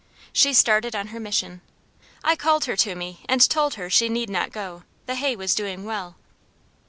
She started on her mission; I called her to me, and told her she need not go, the hay was doing well.